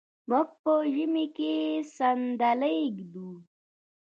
موږ په ژمي کې صندلی ږدو.